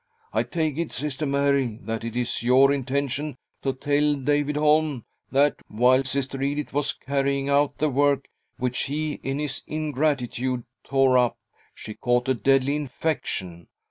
I take it, Sister Mary, that it is your intention to tell David Holm that, while Sister Edith was carrying out the work which he, in his ingratitude, tore up, she caught a deadly infection.